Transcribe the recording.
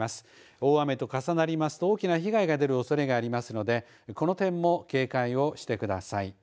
大雨と重なりますと大きな被害が出るおそれがありますのでこの点も警戒をしてください。